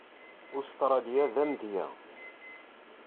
Ustṛalya d amedya.